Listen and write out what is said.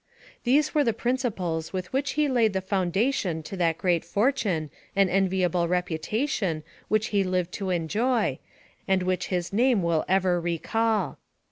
These were the principles with which he laid the foundation to that great fortune and enviable reputation which he lived to enjoy, and which his name will ever recall.